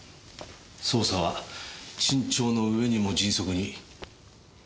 捜査は慎重のうえにも迅速に。